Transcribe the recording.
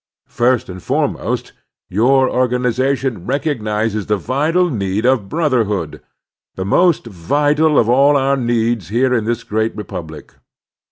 First and foremost, your organization recognizes the vital need of brotherhood, the most vital of all our needs here in this great republic.